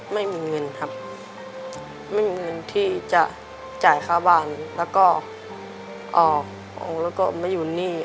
ไม่มีเงินครับไม่มีเงินที่จะจ่ายค่าบ้านแล้วก็ออกแล้วก็ไม่อยู่หนี้